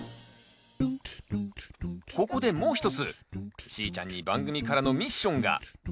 ここでもう一つしーちゃんに番組からのミッションが。